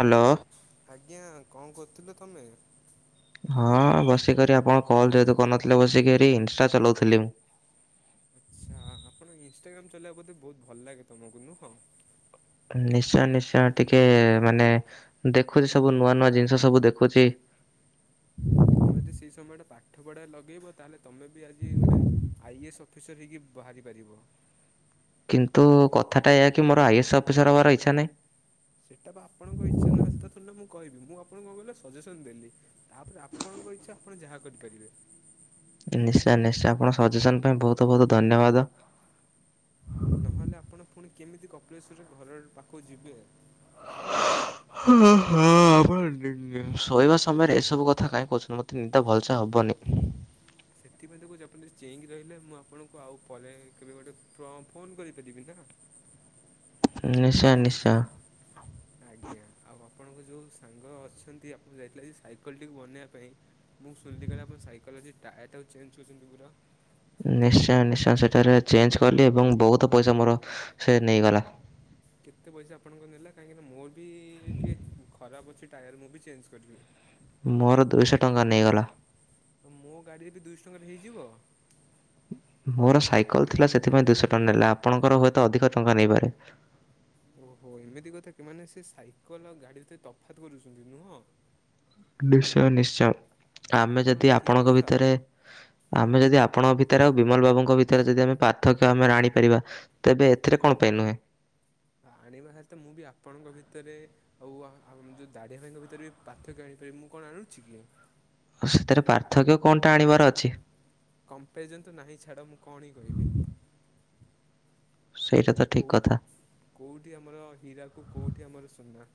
Hello. ଆଜ୍ଞା କଣ କରୁଥିଲ ତମେ? ହଁ ବସିକରି ଆପଣ କଲ୍ ଯେହେତୁ କରିନଥିଲେ ବସିକରି ଇନଷ୍ଟା ଚଲାଉଥିଲି ମୁଁ। ଆଚ୍ଛା ଆପଣ ଇନସଷ୍ଟାଗ୍ରାମ ଚଲେଇବାକୁ ବୋଧେ ବହୁତ ଭଲ ଲାଗେ ତମକୁ ନୁହଁ। ନିଶ୍ଚୟ ନିଶ୍ଚୟ ଟିକେ ମାନେ ଦେଖୁଛି ସବୁ ନୂଆ ନୂଆ ଜିନିଷ ସବୁ ଦେଖୁଛି। ତମେ ଯଦି ସେଇ ସମୟଟା ପାଠ ପଢ଼ା ରେ ଲଗେଇବ ତାହେଲେ ତମେ ବି ଆଜି ଗୋଟେ ଆଇ ଏସ୍ ଅଫିସର ହେଇକି ବାହାରିପାରିବ। କିନ୍ତୁ କଥାଟା ଏୟା କି ମୋର ଆଇ ଏସ୍ ଅଫିସର ହେବାର ଇଚ୍ଛା ନାହିଁ। ସେଟା ବା ଆପଣଙ୍କ ଇଚ୍ଛା ନା ସେଟା ଥୋଡି ନା ମୁଁ କହିବି ମୁଁ ଆପଣଙ୍କୁ କଁ କହିଲ ସଜେସନ ଦେଲି ତାପରେ ଆପ ଆପଣଙ୍କ ଇଚ୍ଛା ଆପଣ ଯାହା କରିପାରିବେ। ନିଶ୍ଚୟ ନିଶ୍ଚୟ ଆପଣ ସଜେସନ ପାଇଁ ବହୁତ ବହୁତ ଧନ୍ୟବାଦ। ନହଲେ ଆପଣ ପୁଣି କେମିତି କପିଳେଶ୍ୱର ରେ ଘରର ପାଖକୁ ଯିବେ ‌। ହୋ ହୋ- ନୁ-ନୁ ଶୋଇବା ସମୟରେ ଏସବୁ କଥା କାଇଁ କହୁଛନ୍ତି ମତେ ନିଦା ଭଲସେ ହବନି। ସେଥିପାଇଁ ‌ତ କହୁଚି ଆପଣ ଟିକେ ଚେଇଁ କି ମୁଁ ଆପଣଙ୍କୁ ଆଉ ପରେ କେବେ ଗୋଟେ ପ୍ର ଫୋନ କରି ପାରିବି ନା। ହୁଁ ନିଶ୍ଚୟ ନିଶ୍ଚୟ। ଆଜ୍ଞା ଆଉ ଆପଣଙ୍କ ଯୋଉ ସାଙ୍ଗ ଅଛନ୍ତି ଆପଣ ଯାଇଥିଲେ ଯେ ସାଇକେଲଟିକୁ ବନେଇବା ପାଇଁ। ମୁଁ ଶୁନିଲି କାଳେ ଆପଣ ସାଇକଲ ର ଆଜି ଟାୟାର୍ଟାକୁ ଚେଞ୍ଜ କରୁଛନ୍ତି ପୁରା। ନିଶ୍ଚୟ ନିଶ୍ଚୟ ସେଠାରେ ଚେଞ୍ଜ କଲି ଏବଂ ବହୁତ ପଇସା ମୋର ସେ ନେଇଗଲା। କେତେ ପଇସା ଆପଣଙ୍କର ନେଲା କାହିଁକିନା ମୋର ବି ଟିକେ ଖରାପ ଅଛି ଟାୟାର ମୁଁ ବି ଚେଞ୍ଜ କରିବି। ମୋର ଦୁଇଶ ଟଙ୍କା ନେଇଗଲା। ତ ମୋ ଗାଡ଼ିରେ ବି ଦୁଇଶ ଟଙ୍କାରେ ହେଇଯିବ। ମୋର ସାଇକଲ ଥିଲା ସେଥିପାଇଁ ଦୁଇଶ ଟଙ୍କା ନେଲା ଆପଣଙ୍କର ହୁଏତ ଅଧିକ ଟଙ୍କା ନେଇପାରେ। ଓହୋ ଏମିତି କଥା କି ମାନେ ସେ ସାଇକେଲ ଗାଡ଼ି ଭିତରେ ତଫାତ୍ କରୁଛନ୍ତି ନୁହଁ। ନିଶ୍ଚୟ ନିଶ୍ଚୟ ଆମେ ଏଇଟା କଣ ଯଦି ଠିକ୍ ଆପଣଙ୍କ କଥା ଭିତରେ। ଆମେ ଯଦି ଆପଣଙ୍କ ଭିତରେ ଆଉ ବିମଲ ବାବୁଙ୍କ ଭିତରେ ଯଦି ଆମେ ପାର୍ଥକ୍ୟ ଆମର ଆଣିପାରିବା। ତେବେ ଏଥିରେ କଣ ପାଇଁ ନୁହେଁ। ଆଣିବା ହେଲେ ତ ମୁଁ ବି ଆପଣଙ୍କ ଭିତରେ। ଆଉ ଆହ ଆଉ ମୁ ଯୋଉ ଦାଢ଼ିଆ ଭାଇଙ୍କ ଭିତରେ ବି ପାର୍ଥକ୍ୟ ଆଣିପାରିବି ମୁଁ କଣ ଆଣୁଛି କି? ଆଉ ସେଥେରେ ପାର୍ଥକ୍ୟ କଣଟା ଆଣିବାର ଅଛି। କମ୍ପେଆରିଜନ୍ ତ ନାହିଁ ଛାଡ଼ ମୁଁ କଣ କହିବି। ସେଇଟା ତ ଠିକ କଥା। କେଉଁଠି ଆମର ହୀରାକୁ କେଉଁଠି ଆମର ସୁନା।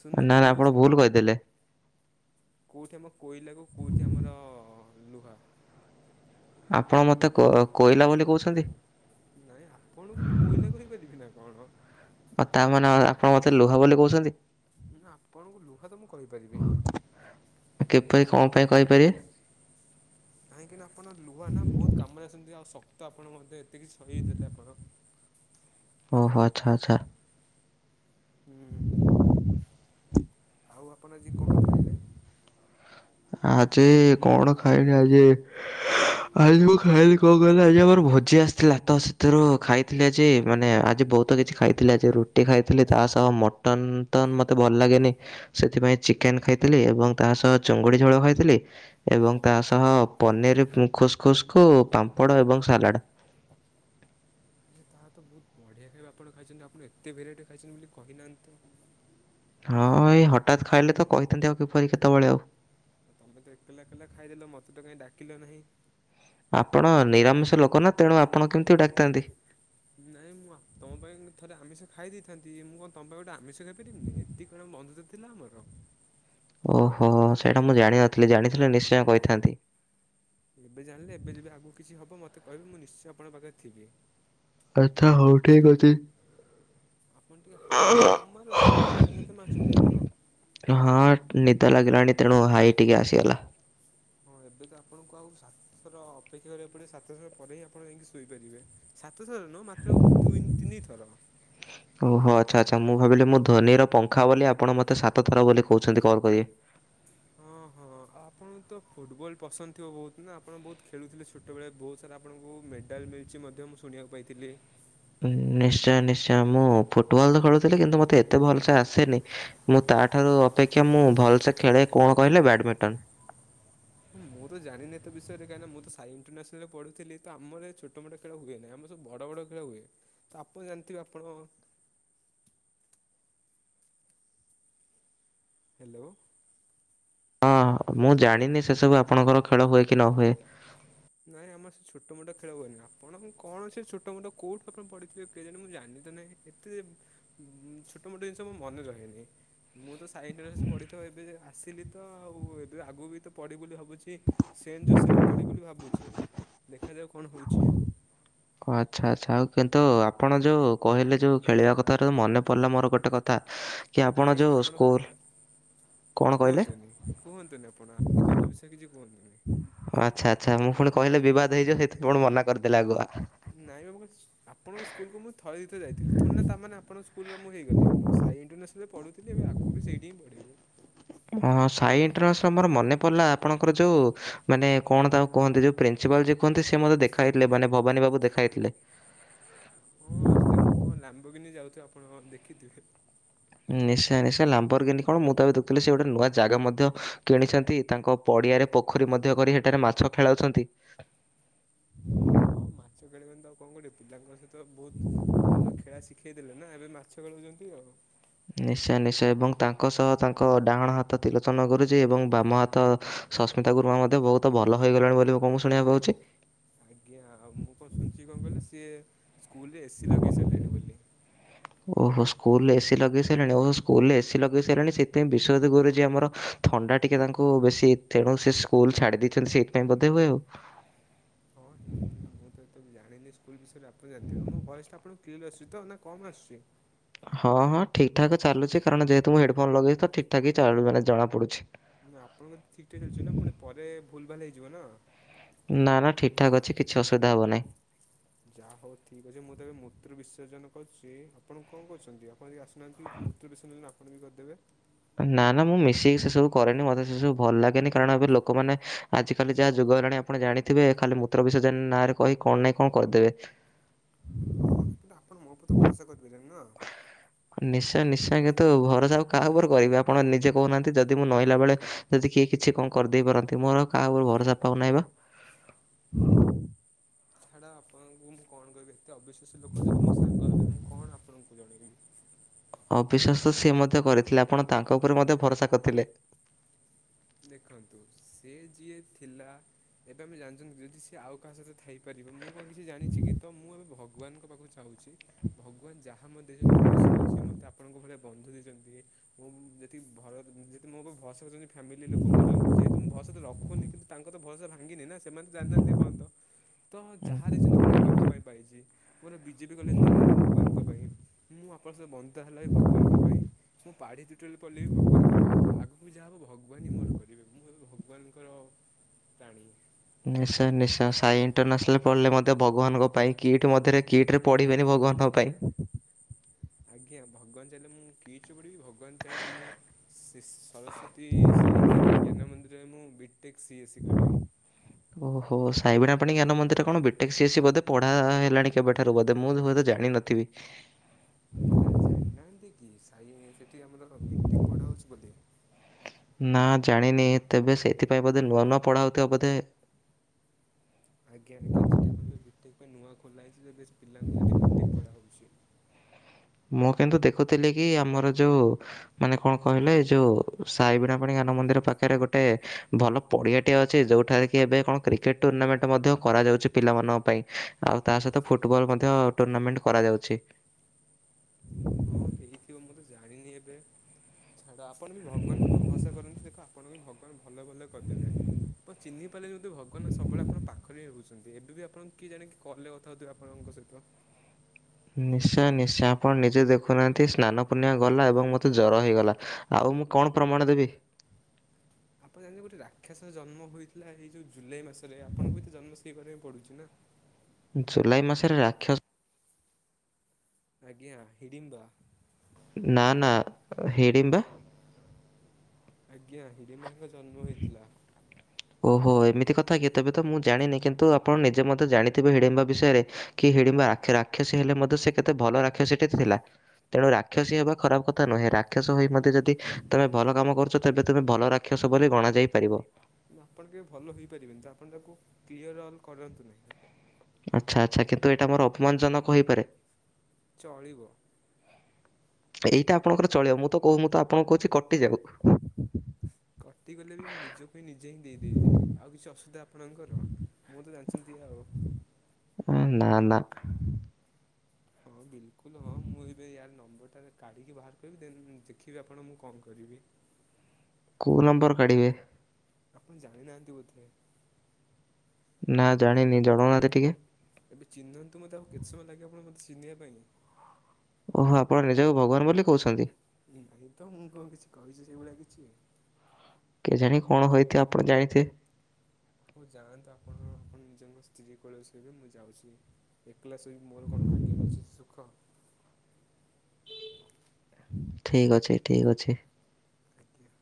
ସୁନା ନା ତ ନା ନୁହଁ ଆପଣ ଭୁଲ ଛାଡ଼। କହିଦେଲେ। କୋଉଠି ଆମ କୋଇଲାକୁ କୋଉଠି ଆମର ଲୁହା। ଆପଣ ମତେ କୋ କୋଇଲା ବୋଲି କହୁଛନ୍ତି। ନାଇଁ ଆପଣଙ୍କୁ ମୁଁ କୋଇଲା କହିପାରିବି ନା କଣ? ଆଉ ତା ମାନେ ଅ ଆପଣ ମତେ ଲୁହା ବୋଲି କହୁଛନ୍ତି। ନା ଆପଣଙ୍କୁ ଲୁହା ତ ମୁଁ କହିପାରିବି। କେବେ କଣ ପାଇଁ କହିପାରିବେ? କାହିଁକିନା ଆପଣ ଲୁହା ନା ବହୁତ କାମରେ ଆସଛନ୍ତି ଆଉ ଶକ୍ତ ଆପଣ ମଧ୍ୟ ଏତିକିି ସହି ଦେଲେ ଆପଣ। ଓହୋ ଆଛା ଆଛା। ହୁଁ ହୁଁ ହୁଁ ଆଉ ଆପଣ ଆଜି କଣ ଖାଇଲେ? ଆଜ କଣ ଖାଇଲି ଆଜି ଆଜି ମୁଁ ଖାଇଲି କଣ କହିଲ ଆଜି ଆମର ଭୋଜି ଆସିଥିଲା ତ ସେଥିରୁ ଖାଇ ଖାଇଥିଲି ଆଜି ମାନେ ଆଜି ବହୁତ କିଛି ଖାଇଥିଲେ ରୁଟି ଖାଇଥିଲି ତା ସହ ମୋଟ ତନ ତନ ମତେ ଭଲ ଲାଗେନି ସେଥିପାଇଁ ଚିକେନ ଖାଇଥିଲି ଏବଂ ତା ସହ ଚୁଙ୍ଗୁଡ଼ି ଝୋଳ ଖାଇଥିଲେ? ଏବଂ ତା ସହ ପନିର ଖୁସ୍ ଖୁସ୍ କୁ ପାମ୍ପଡ଼ ଏବଂ ସାଲାଡ଼। ତାହାତ ବହୁତ ବଢ଼ିଆ ଖାଇବା ଆପଣ ଖାଇଛନ୍ତି ଆପଣ ଏତେ ଭେରାଇଟିରେ ଖାଇଛନ୍ତି ବୋଲି କହିନାହାନ୍ତି ତ? ହଁ ଏଇ ହଠାତ୍ ଖାଇଲେ ତ କହିଥାନ୍ତି ଆଉ କିପରି କେତେବେଳେ ଆଉ। ତମେ ତ ଏକଲା ଏକଲା ଖାଇଦେଲ ମୋତେ ତ କାହିଁ ଡାକିଲ ନାହିଁ? ଆପଣ ନିରାମିଷ ଲୋକନା ତେଣୁ ଆପଣ କେମିତି ଡାକିଥାନ୍ତି। ନାଇଁ ମୁଁ ତମ ପାଇଁ ଥରେ ଆମିଷ ଖାଇ ଦେଇଥାନ୍ତି ମୁଁ କଣ ତମ ପାଇଁ ଗୋଟେ ଆମିଷ ଖାଇପାରିବିନି। ତି କଣ ବନ୍ଧୁିତା ଥିଲା ଆମର। ଓହୋ ସେଇଟା ମୁଁ ଜାଣିନଥିଲି ଜାଣିଥିଲେ ନିଶ୍ଚୟ କହିଥାନ୍ତି। ଏବେ ଜାଣିଲେ ଏବେ ଯେବେ ଆଗକୁ କିଛି ହବ ମୋତେ କହିବେ ମୁଁ ନିଶ୍ଚୟ ଆଣଙ୍କଖରେ ଥିବି। କଥା ହଉ ଠିକ୍ ଅଛି। ଆପଣ ଟିକିେ ହାଇଟା କମ୍ ମାରନ୍ତୁ ହାଇ କାହିଁ ଏତେ ମାରୁଛନ୍ତି ଆପଣ? ହଁ ନିଦ ଲାଗିଲାଣି ତେଣୁ ହାଇ ଟିକେ ଆସିଗଲା। ହଁ ଏବେ ତ ଆପଣଙ୍କୁ ଆଉ ସାତଶହର ଅପେକ୍ଷା କରିବାକୁ ପଡ଼ିବ ସାତଶହ ପରେ ହିଁ ଆପଣ ଯାଇକି ଶୋଇପାରିବେ। ସାତଥର ନୁ ମାତ୍ର ଆଉ ଦୁଇ ତିନିଥର। ଓହୋ ଆଛା ଆଛା ମୁଁ ଭାବିଲି ମୁଁ ଧୋନିର ପଙ୍ଖା ବୋଲି ଆପଣ ମୋତେ ସାତ ଥର ବୋଲି କହୁଛନ୍ତି କଲ୍ କରିବେ ହଁ ହଁ ଆପଣ ତ ଫୁଟବଲ ପସନ୍ଦ ଥିବ ବହୁତ ନା ଆପଣ ବହୁତ ଖେଳୁଥିଲେ ଛୋଟ ଛୋଟବେଳେ ବହୁତ ସାରା ଆପଣଙ୍କୁ ମେଡ଼ାଲ ମିଳିଛି ମଧ୍ୟ ମୁଁ ଶୁଣିବାକୁ ପାଇଥିଲି? ନିଶ୍ଚୟ ନିଶ୍ଚୟ ମୁଁ ଫୁଟବଲ୍ ତ ଖେଳୁଥିଲି କିନ୍ତୁ ମୋତେ ଏତେ ଭଲସେ ଆସେନି। ମୁଁ ତା ଠାରୁ ଅପେକ୍ଷା ମୁଁ ଭଲସେ ଖେଳେ କଣ କହିଲେ ବ୍ୟାଡ୍ ମିଣ୍ଟନ। ହୁଁ ମୁଁ ତ ଜାଣିନି ଏତେ ବିଷୟରେ କାହିଁକ ନା ମୁଁ ତ ସାଇ ଇଣ୍ଟରନେସ୍ନାଲରେ ପଢ଼ୁଥିଲି ତ ଆମର ଛୋଟ ମୋଟ ଖେଳ ହୁଏ ନାହିଁ ଆମର ସବୁ ବଡ଼ ବଡ଼ ଖେଳ ହୁଏ ତାପ ଜାଣିଥିବେ ଆପଣ? ହାଲୋ। ହଁ ମୁଁ ଜାଣିନି ସେସବୁ ଆପଣଙ୍କର ଖେଳ ହୁଏ କି ନ ହୁଏ। ନାଇଁ ଆମର ସେ ଛୋଟ ମୋଟ ଖେଳ ହୁଏନି ଆପଣ କଣ ସେ ଛୋଟ ମୋଟ କେଉଠୁ ଆପଣ ପଡ଼ିିଥିବେ କେଜାଣି ମୁଁ ଜାଣିନି ତ ନାହିଁ ଏତେ ଛୋଟ ମୋଟ ଜିନିଷ ମୋ ମନେ ରହେନି। ମୁଁ ତ ସାଇ ଇନ୍ଟରେଷ୍ଟ ପଢ଼ିଥିବ ଏବେ ଆସିଲି ତ ଆଉ ଏବେ ଆଗକୁ ବି ତ ପଢି ବୋଲି ଭାବୁଛି। ସେଣ୍ଟ ଜୋସେରିରେ ପଡ଼ିବି ବୋଲି ଭାବୁଚି ଦେଖାଯାଉ କଣ ହେଉଚି। ଆଛା ଆଛା ଆଉ କିନ୍ତୁ ଆପଣ ଯେଉଁ କହିଲେ ଯେଉଁ ଖେଳିବା କଥା ମନେ ପଡ଼ିଲା ମୋର ଗୋଟେ କଥା। ହ କି ନାଇଁ ଯେଉଁ ଆପଣ ସ୍କୁଲ୍ କଣ କହିଲେ? କୁହନ୍ତୁନି କୁହନ୍ତୁନି ଆପଣ ଆପଣ ସେ ସବୁ ବିଷୟ କିଛି କୁହନ୍ତୁନି। ଆଛା ଆଛା ମୁଁ ପୁଣି କହିଲେ ବିବାଦ ହେଇଯିବ ସେଥିପାଇଁ ପୁଣି ମନା କରିଦେଲେ ଆଗୁଆ। ନାଇଁ ବାବୁ ଆପଣଙ୍କ ସ୍କୁଲକୁ ମୁଁ ଥରେ ଦିଥର ଯାଇଥିଲି ଥୋଡିନା ତାମାନେେ ଆପଣ ସ୍କୁଲରେ ମୁଁ ହେଇଗଲି ମୁଁ ସାଇ ଇଣ୍ଟରନ୍ୟାସନାଲରେ ପଢ଼ୁଥିଲି ଏବେ ଆଗକୁ ବି ସେଇଠି ହିଁ ପଢିବି। ହଁ ସାଇ ଇଣ୍ଟରନ୍ୟାସନାଲ୍ ମୋର ମନେ ପଡ଼ିଲା ଆପଣଙ୍କର ଯେଉଁ ମାନେ କଣ ତାକୁ କୁହନ୍ତି ଯେଉଁ ପ୍ରିନ୍ସିପାଲ ଯିଏ କୁହନ୍ତି ସେ ମତେ ଦେଖା ହେଇଥିଲେ ମାନେ ଭବାନୀ ବାବୁ ଦେଖା ହେଇଥିଲେ। ହଁ ଅଛି ତାଙ୍କ କଣ ଲାମ୍ବରଗିନି ଯାଉଥିବେ ଆପଣ ଦେଖିଥିବେ। ନିଶ୍ଚୟ ନିଶ୍ଚୟ ଲାମ୍ବରଗିନି କଣ ମୁଁ ତ ଏବେ ଦେଖଥିଲି। ସେ ଗୋଟେ ନୂଆ ଜାଗା ମଧ୍ୟ କିଣିଛନ୍ତି ତା ପଡ଼ିଆରେ ପୋଖରୀ ମଧ୍ୟ କରି ହେଠାରେ ମାଛ ଖେଳାଉଛ ହଁ ମାଛ ଖେଳିବନି ତ ଆଉ କଣ କରିବେ ପିଲାଙ୍କ ସହିତ ବହୁତ ଭଲ ଖେଳା ଶିଖେଇ ଦେଲେ ନା ଏବେ ମାଛ କେଳଉଛନ୍ତି ଆଉ। ନିଶ୍ଚୟ ନିଶ୍ଚୟ ଏବଂ ତାଙ୍କ ସହ ତାଙ୍କ ଡାହାଣ ହାତ ତ୍ରିଲୋଚନ ଗୁରୁଜୀ ଏବଂ ବାମ ହାତ ସସ୍ମିତା ଗୁରୁମା ମଧ୍ୟ ବହୁତ ଭଲ ହୋଇଗଲେଣି ବୋଲି କଣ ମୁଁ ଶୁଣିବାକୁ ପାଉଛି? ଆଜ୍ଞା ଆଉ ମୁଁ କଣ ଶୁଣିଛି କଣ କହିଲ, ସିଏ ସ୍କୁଲ୍ ରେ ଏସି ଲଗେଇ ସାରିଲେଣି ବୋଲି। ଓହୋ ସ୍କୁଲରେ ଏ ସି ଲଗେଇ ସାଇଲାଣି ଓହୋ ସ୍କୁଲରେ ଏ ସି ଲଗେଇ ସାଇଲାଣି ସେଥିପାଇଁ ବିଶ୍ଵାଦତ ଗୁରୁଜି ଆମର ଥଣ୍ଡା ଟିକେ ତାଙ୍କୁ ବେଶୀ ତେଣୁ ସେ ସ୍କୁଲ ଛାଡ଼ି ଦେଇଚନ୍ତି ସେଇଥିପାଇଁ ବୋଧେ ହୁଏ ଆଉ। ହଁ ହେଇଥିବ ମୁଁ ତ ଏତେ ବି ଜାଣିନି ସ୍କୁଲ ବିଷୟରେ ଆପଣ ଜାଣିଥିବେ ହଁ ମୋ ଭଏସଟା ଆପଣଙ୍କୁ କ୍ଲିୟର ଆସୁଚି ତ ନା କମ୍ ଆସୁଚି? ହଁ ହଁ ଠିକ୍ ଠାକ୍ ଚାଲୁଚି କାରଣ ଯେହେତୁ ମୁଁ ହେଡ଼ଫୋନ ଲଗେଇଚି ତ ଠିକ୍ ଠାକ୍ ହି ଚାଉଳିବାର ଜଣାପଡ଼ୁଚି। ନା ଆପଣଙ୍କ ତ ଠିକ୍ ଠାକ୍ ଚାଲିଚି ନା ପୁଣି ପରେ ଭୁଲ ଭାଲ ହେଇଯିବ ନା। ନା ନା ଠିକ୍ ଠାକ୍ ଅଛି କିଛି ଅସୁବିଧା ହବ ନାହିଁ। ଯାହା ହଉ ଠିକ୍ ଅଛି ମୁଁ ତ ଏବେ ମୂତ୍ର ବିସର୍ଜନ କରୁଚି ଆପଣ କଣ କରୁଚନ୍ତି ଆପଣ ଆଜି ଆସ ନାହାନ୍ତି ମୂତ୍ର ବିସର୍ଜନଆପଣ ବି କରିଦେବେ। ନା ନା ମୁଁ ମିଶିକି ସେ ସବୁ କରେନି ମତେ ସେ ସବୁ ଭଲ ଲାଗେନି କାରଣ ଏବେ ଲୋକମାନେ ଆଜିକାଲି ଯାହା ଯୁଗ ହେଲାନି ଆପଣ ଜାଣିଥିବେ ଖାଲି ମୂତ୍ର ବିସର୍ଜନ ନାଁରେ କହି କଣ ନାଇଁ କଣ କରିଦେବେ ହଁ କିନ୍ତୁ ଆପଣ ମୋ ଉପରେ ତ ଭରସା କରିପାରିବେନା ନିଶ୍ଚୟ ନିଶ୍ଚୟ କିନ୍ତୁ ଭରସା ଆଉ କାହା ଉପରେ କରିବି ଆପଣ ନିଜେ କହୁନାହାନ୍ତି ଯଦି ମୁଁ ନଇଁଲାବେଳେ ଯଦି କିଏ କିଛି କଁ କରିଦେଇପାରନ୍ତି ମୋର କାହା ଉପରେ ଭରସା ପାଉନାହିଁ ବା। ଛାଡ ଆପଣଙ୍କୁ ମୁଁ କଣ କହିବି ଏତେ ଅବିଶ୍ଵାସୀ ଲୋକ ଯଦି ମୋ ସାଙ୍ଗ ହେବେ ମୁଁ କଣ ଆପଣଙ୍କୁ ଜଣେଇବି। ଅବିଶ୍ୱାସ ସିଏ ମଧ୍ୟ କରିଥିଲେ ଆପଣ ତାଙ୍କ ଉପରେ ମଧ୍ୟ ଭରସା କରିଥିଲେ। ଦେଖନ୍ତୁ ସେ ଯିଏ ଥିଲା ଏବେ ଆମେ ଜାଣିଚନ୍ତି କି ଯଦି ସିଏ ଆଉ କାହା ସହିତ ଥାଇପାରିବ ମୁଁ କଣ କିଛି ଜାଣିଛି। କି ତ ମୁଁ ଏବେ ଭଗବାନଙ୍କ ପାଖକୁ [inaudible] ପାଉଛି। ଭଗବାନ ଯାହା ମୋତେ ଦେଇଚନ୍ତି ମୁଁ ଖୁସିରେ ଅଛି ମତେ ଆପଣଙ୍କ ଭଳି ବନ୍ଧୁ ଦେଇଚନ୍ତି ମୁଁ ଯେ ତି ଭର ଯଦି ମୋ ଉପରେ ଭରସା କରିଚନ୍ତି ଫ୍ୟାମିଲି ଲୋକ ମୋର ଯେହେତୁ ମୁଁ ଭରସା ତ ରଖୁନି କିନ୍ତୁ ତାଙ୍କ ତ ଭରସା ଭାଙ୍ଗିନି ନା ସେମାନେ ତ ଜାଣିନାହାନ୍ତି ଏପର୍ଯ୍ୟନ୍ତ ତ ଯାହା ଦେଇଚନ୍ତି ଭଗବାନଙ୍କ ପାଇଁ ପାଇଚି ମୋର ବିଜେପି କଲେଜ ବି ହେଲା ଭଗବାନଙ୍କ ପାଇଁ, ମୁଁ ଆପଣ ସହ ବନ୍ଧୁତା ହେଲା ବି ଭଗବାନଙ୍କ ପାଇଁ ମୁଁ ପାଢ଼ିଟ୍ୟୁଟରାଲ୍ ରେ ପଢ଼ିଲି ବି ଭଗବାନଙ୍କ ପାଇଁ ତ ଆଗକୁ ଯାହା ହବ ଭଗ ଭଗବାନ ହିଁ ମୋର କରିବେ ମୁଁ କେବେ ଭଗବାନଙ୍କର ପ୍ରାଣୀ। ନିଶ୍ଚୟ ନିଶ୍ଚୟ ସାଇ ଇଣ୍ଟରନ୍ୟାସନାଲ୍ ପଢ଼ିଲେ ମଧ୍ୟ ଭଗବାନଙ୍କ ପାଇଁ କିଟ୍ ମଧ୍ୟରେ କିଟ୍ ରେ ପଢ଼ିବେନି ଭଗବାନଙ୍କ ପାଇଁ। [unintelligible] ଆଜ୍ଞା ଭଗବାନ ଚାହିଁଲେ ମୁଁ କିଟ୍ ରେ ପଢ଼ିବି ଭଗବାନ ଟେନ୍ଥ ମୁଁ ଶୀ ସରସ୍ଵତୀ ସାଇ ବିଣା ମଣି ଜ୍ଞାନ ମନ୍ଦିରରେ ମୁଁ ବିଟେକ୍ ସି ଏ ସି କରିବି। ଓହୋ ସାଇବିଣାପାଣି ଜ୍ଞାନ ମନ୍ଦିର ରେ କଣ ବିଟେକ୍ ସି ଏ ସି ବୋଧେ ପଢା ହେଲାଣି କେବେଠାରୁ ବୋଧେ ମୁଁ ହୁଏତ ଜାଣି ନଥିବି। ପଟାଲ ଜାଣିନାହାନ୍ତି କି ସାଇ ସେଇଠି ଆମର ବିଟେକ୍ ପଢ଼ା ହେଉଚି ବୋଲି? ନା ଜାଣିନି ତେବେ ସେଇଥିପାଇଁ ବୋଧେ ନୂଆ ନୂଆ ପଢ଼ା ହେଉଥିବ ବୋଧେ। ଆଜ୍ଞା ଆଜ୍ଞା ସେଠି ଆପଣ ଯଦି ବିଟେକ୍ ପାଇଁ ନୂଆ ଖୋଲା ହୋଇଚି ଯଦି ବିଟେକ୍ ପିଲାଙ୍କୁ ସେଠି ବିଟେକ୍ ପଢ଼ା ହେଉଚି। ମୁଁ କିନ୍ତୁ ଦେଖୁଥିଲି କି ଆମର ଯଉ ମାନେ କଣ କହିଲେ ଏ ଯଉ ସାଇ ବିଣା ପାଣି ଜ୍ଞାନ ମନ୍ଦିର ପାଖରେ ଗୋଟେ ଭଲ ପଡ଼ିଆଟେ ଅଛି ଜୋଉଠାରେ କି ଏବେ କଣ କ୍ରିକେଟ ଟୁର୍ଣ୍ଣାମେଣ୍ଟ ମଧ୍ୟ କରାଯାଉଛି ପିଲାମାନଙ୍କ ପାଇଁ। ଆଉ ତା ସହିତ ଫୁଟବଲ୍ ମଧ୍ୟ ଟୁର୍ଣ୍ଣାମେଣ୍ଟ କରାଯାଉଛି। ହଁ ହେଇଥିବ ମୁଁ ତ ଜାଣିନି ଏବେ ଛାଡ ଆପଣ ବି ଭଗବାନଙ୍କ ଉପରେ ଭରସା କରନ୍ତୁ ଦେଖ ଆପଣଙ୍କ ବି ଭଗବାନ ଭଲ ଭଲ କରିଦେବେ। ଆପଣ ଚିହ୍ନିପାଇଲେନି ବୋଧେ ଭଗବାନ ସବୁବେଳେ ଆପଣ ପାଖରେ ହିଁ ରହୁଚନ୍ତି ଏବେ ବି ଆପଣଙ୍କୁ କିଏ ଜାଣିକି କଲ୍ ରେ କଥାହଉଥିବେ ଆପଣଙ୍କ ସହିତ ନିଶ୍ଚୟଂ ନିଶ୍ଚୟଂ ଆପଣ ନିଜେ ଦେଖୁନାହାନ୍ତି ସ୍ନାନ ପୂର୍ଣ୍ଣିମା ଗଲା ଏବଂ ମତେ ଜର ହେଇଗଲା। ଆଉ ମୁଁ କଣ ପ୍ରମାଣ ଦେବି। ଆପଣ ଜାଣିଚନ୍ତି ଗୋଟେ ରାକ୍ଷାସର ଜନ୍ମ ହୋଇଥିଲା ହେଇ ଯୋଉ ଜୁଲାଇ ମାସରେ ଆପଣଙ୍କୁ ବି ତ ଜନ୍ମ ସେଇ ବାର ରେ ପଡୁଚି ନା। ଜୁଲାଇ ମାସରେ ରାକ୍ଷସ ଆଜ୍ଞା ହିଡିମ୍ବା। ନା ନା ହିଡିମ୍ବା? ଆଜ୍ଞା ହିଡ଼ିମ୍ବାଙ୍କ ଜନ୍ମ ହେଇଥିଲା। ଓହୋ ଏମିତି କଥା କି ତେବେ ତ ମୁଁ ଜାଣିନି କିନ୍ତୁ ଆପଣ ନିଜେ ମଧ୍ୟ ଜାଣିଥିବେ ହିଡିମ୍ବା ବିଷୟରେ କି ହିଡିମ୍ବା ରାକ୍ଷା ରାକ୍ଷାସୀ ହେଲେ ମଧ୍ୟ ସେ କେତେ ଭଲ ରାକ୍ଷସୀ ଟି ଥିଲା ତେଣୁ ରାକ୍ଷସୀ ହେବା ଖରାପ କଥା ନୁହେଁ ରାକ୍ଷସ ହୋଇ ମଧ୍ୟ ଯଦି ତମେ ଭଲ କାମ କରୁଛ ତେବେ ତମେ ଭଲ ରାକ୍ଷ କ୍ଷସ ବୋଲି ଗଣାଯାଇ ପାରିବ କିନ୍ତୁ ଆପଣ କେବେ ଭଲ ହୋଇପାରିବେନି ତ ଆପଣ ତାକୁ କ୍ଲିୟର୍ ଅଲ୍ କରନ୍ତୁ ନାହିଁ। ଆଚ୍ଛା ଆଚ୍ଛା କିନ୍ତୁ ଏଇଟା ମୋର ଅପମାନଜନକ ହୋଇପାରେ? ଚଳିବ ଏଇଟା ଆପଣଙ୍କର ଚଳିବ ମୁଁ ତ କହୁ ମୁଁ ତ ଆପଣଙ୍କୁ କହୁଚି କଟିଯାଉ କଟିଗଲେ ବି ମୁଁ ନିଜପାଇଁ ନିଜେ ହିଁ ଦେଇଦେଇଯିବି ଆଉ କିଛି ଅସୁବିଧା ଆପଣଙ୍କର? ମୁଁ ତ ଜାଣିଚନ୍ତି ଆଉ। ଉଁ ନା ନା। ହଁ ବିଲକୁଲ୍ ହଁ ମୁଁ ଏବେ ୟାର ନମ୍ବରଟାରେ କାଢ଼ିକି ବାହାର କରିବି ଦେନ୍ ଦେଖିବି ଆପଣ ମୁଁ କଣ କରିବି। କୋଉ ନମ୍ବର କାଢ଼ିବେ? ଆପଣ ଜଣିନାହାନ୍ତି ବୋଧେ ନା ଜାଣିନି ଜନୌନାହାନ୍ତି ଟିକେ। ଏବେ ଚିହ୍ନନ୍ତୁ ମତେ ଆଉ କେତେ ସମୟ ଲାଗିବ ଆପଣ ମତେ ଚିହ୍ନିବା ପାଇଁ? ଓହୋ ଆପଣ ନିଜକୁ ଭଗବାନ ବୋଲି କୋହୁଛନ୍ତି। ନାଇଁ ତ ମୁଁ କଣ କିଛି କହିଚି ସେଇ ଭଳିଆ କିଛି? କେଜାଣି କଣ ହୋଇଥିବ ଆପଣ ଜାଣିଥିବେ। ହୋଉ ଯାଆନ୍ତୁ ଆପଣ ଆପଣ ନିଜଙ୍କ ସ୍ତ୍ରୀ କୋଳରେ ଶୋଇବେ ମୁଁ ଯାଉଛି। ଏକଲା ଶୋଇବି ମୋର କଣ ଭାଗ୍ୟରେ ଅଛି ସେ ସୁଖ। ଠିକ୍ ଅଛି ଠିକ୍ ଅଛି। ଆଜ୍ଞା।